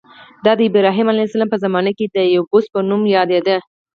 دا د ابراهیم علیه السلام په زمانه کې د یبوس په نوم یادېده.